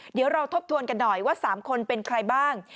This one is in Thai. เดี๋ยวเราทบทวนกันหน่อยว่า๓คนเป็นใครบ้าง